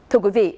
thưa quý vị